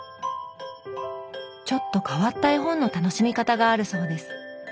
ちょっと変わった絵本の楽しみ方があるそうです。